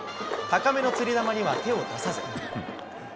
高めのつり球には手を出さず。